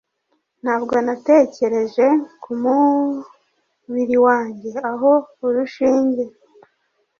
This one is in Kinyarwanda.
ntabwo natekereje kumubiri wanjye aho urushinge